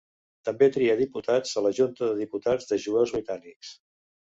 També tria diputats a la Junta de Diputats de jueus britànics.